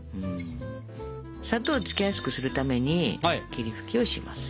砂糖をつけやすくするために霧吹きをしますよ。